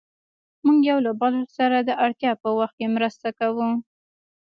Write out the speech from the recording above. موږ يو له بل سره د اړتیا په وخت کې مرسته کوو.